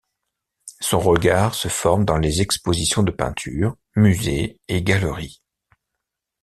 Son regard se forme dans les expositions de peintures, musées et galeries.